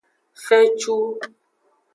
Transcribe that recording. Fencu.